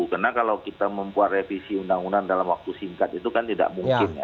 karena kalau kita membuat revisi undang undang dalam waktu singkat itu kan tidak mungkin ya